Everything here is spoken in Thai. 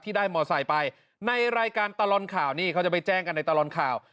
ได้มอไซค์ไปในรายการตลอดข่าวนี่เขาจะไปแจ้งกันในตลอดข่าว